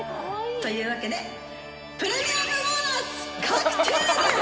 というわけでプレミアムボーナス確定です！